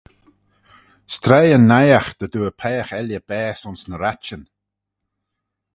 S'treih yn naight dy dooar peiagh elley baase ayns ny ratçhyn.